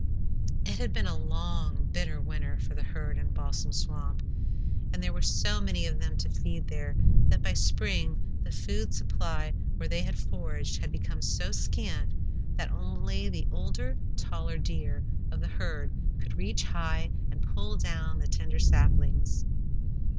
It had been a long, bitter winter for the herd in Balsam Swamp, and there were so many of them to feed there that by spring the food supply where they had foraged had become so scant that only the older, taller deer of the herd could reach high and pull down the tender saplings.